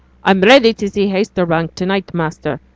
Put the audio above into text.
'I'm ready to see Haytersbank to night, master!'